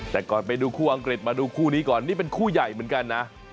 แต่ก่อนไปดูคู่อังกฤษมาดูคู่นี้ก่อนนี่เป็นคู่ใหญ่เหมือนกันนะ